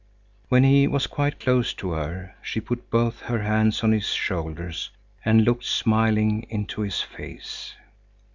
When he was quite close to her, she put both her hands on his shoulders and looked smiling into his face.